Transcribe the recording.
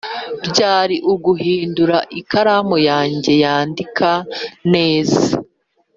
byari uguhindura ikaramu yanjye yandika neza